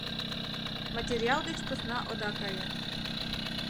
Материал деч посна ода кае.